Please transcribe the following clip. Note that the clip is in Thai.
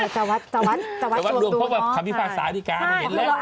จะวัดจะวัดชวมดูบ้าเพราะว่าคัมพิภาษาอินทริกาว่าเห็น